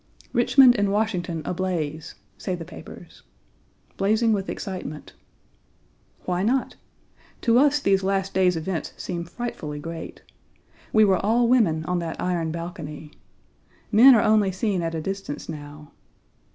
"Richmond and Washington ablaze," say the papers blazing with excitement. Why not? To us these last days' events seem frightfully great. We were all women on that iron balcony. Men are only seen at a distance now.